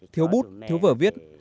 thiếu bút thiếu vở viết